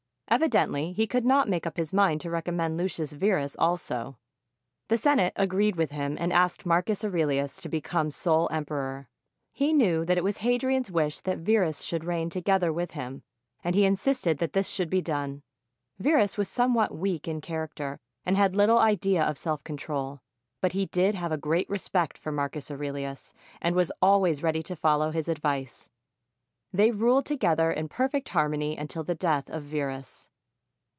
Evidently he could not make up his mind to recommend Lucius Verus also. The Senate agreed with him and asked Marcus Aurelius to become sole emperor. He knew that it was Hadrian's wish that Verus should reign together with him, and he insisted that this should be done. Verus was somewhat weak in character and had little idea of self control; but he did have a great respect for Marcus Aurelius and was always ready to follow his advice. They ruled together in perfect harmony until the death of Verus.